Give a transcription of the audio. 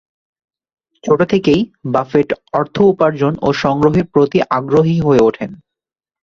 ছোট থেকেই বাফেট অর্থ উপার্জন ও সংগ্রহের প্রতি আগ্রহী হয়ে উঠেন।